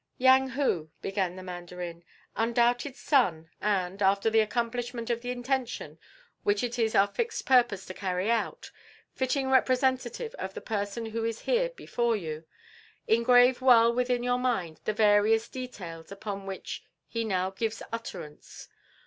"Yang Hu," began the Mandarin, "undoubted son, and, after the accomplishment of the intention which it is our fixed purpose to carry out, fitting representative of the person who is here before you, engrave well within your mind the various details upon which he now gives utterance.